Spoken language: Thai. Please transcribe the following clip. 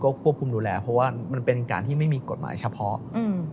ควบคุมดูแลเพราะว่ามันเป็นการที่ไม่มีกฎหมายเฉพาะอืม